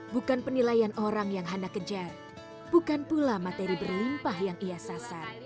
bukan penilaian orang yang hana kejar bukan pula materi berlimpah yang ia sasar